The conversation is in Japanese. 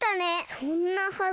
そんなはずは。